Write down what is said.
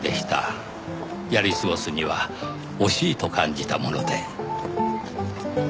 やり過ごすには惜しいと感じたもので。